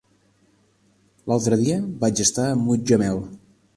L'altre dia vaig estar a Mutxamel.